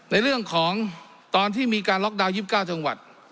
ในเรื่องของตอนที่มีการล็อกดาวน์๒๙จังหวัด